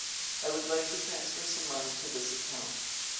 I would like to transfer some money to this account.